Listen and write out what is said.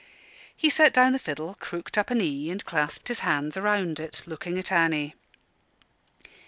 He set down the fiddle, crooked up a knee and clasped his hands round it, looking at Annie.